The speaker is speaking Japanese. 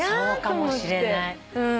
そうかもしれない。